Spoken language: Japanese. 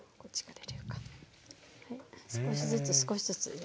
少しずつ少しずつ入れていきます。